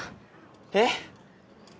「えっ？」